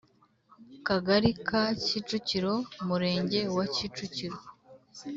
Kagari ka Kicukiro Murenge wa Kicukiro